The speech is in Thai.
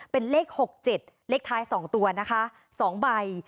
เป็นเลข๖๗เลขท้าย๒ตัวนะคะ๒ใบ